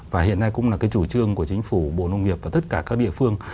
và hiện nay cũng là cái chủ trương của chính phủ bộ nông nghiệp và tất cả các địa phương